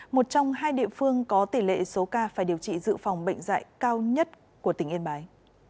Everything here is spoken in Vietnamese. một trong hai địa phương có tỷ lệ số ca phải điều trị dự phòng bệnh dạy cao nhất của tỉnh yên bái